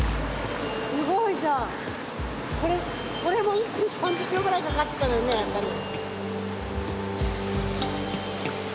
すごいじゃん。これも１分３０秒ぐらいかかってたのにね明香里。